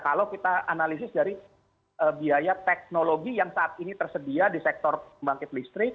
kalau kita analisis dari biaya teknologi yang saat ini tersedia di sektor pembangkit listrik